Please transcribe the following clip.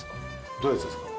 どういうやつですか？